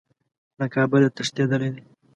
له کابله تښتېدلی دی.